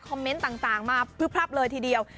เมนต์ต่างมาพลึบพลับเลยทีเดียว